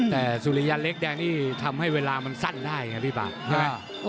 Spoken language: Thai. แต่สุริยันเล็กแดงนี่ทำให้เวลามันสั้นได้ไงพี่ปาก